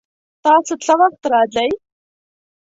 تاسو څه وخت راځئ؟